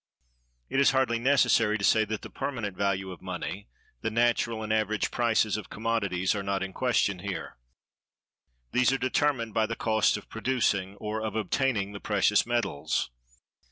It is hardly necessary to say that the permanent value of money—the natural and average prices of commodities—are not in question here. These are determined by the cost of producing or of obtaining the precious metals.